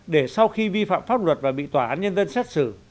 để sau khi vi phạm pháp luật và bị tòa án nhân dân xét xử